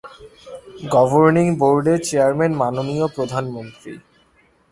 Governing বোর্ডের chairman মাননীয় প্রধানমন্ত্রী।